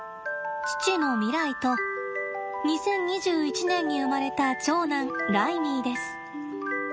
父のミライと２０２１年に生まれた長男ライミーです。